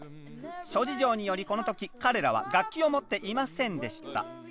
諸事情によりこの時彼らは楽器を持っていませんでした。